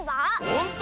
ほんと？